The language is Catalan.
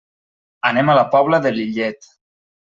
Anem a la Pobla de Lillet.